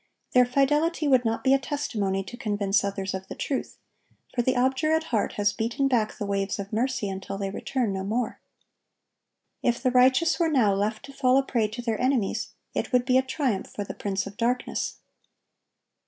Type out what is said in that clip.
Their fidelity would not be a testimony to convince others of the truth; for the obdurate heart has beaten back the waves of mercy until they return no more. If the righteous were now left to fall a prey to their enemies, it would be a triumph for the prince of darkness.